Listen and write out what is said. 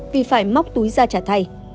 vì phải móc túi ra trả thay